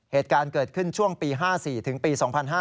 เหตุการณ์เกิดขึ้นช่วงปี๕๔ถึงปี๒๕๕๙